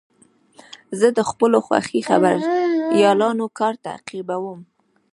زه د خپلو خوښې خبریالانو کار تعقیبوم.